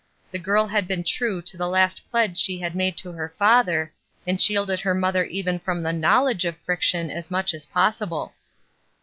The girl had been true to the last pledge she had made to her father, and shielded her mother even 34 ESTER RIED'S NAMESAKE from the knowledge of friction as much as possible.